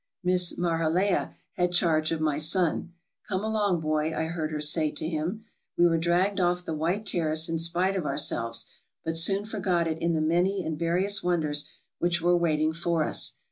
Miss Marileha had charge of my son. " Come along, boy," I heard her say to him. We were dragged off the White Terrace in spite of ourselves, but soon forgot it in the many and various wonders which were waiting for us.